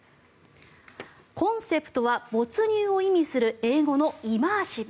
コンセプトは没入を意味する英語のイマーシブ。